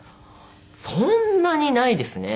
そんなにないですね。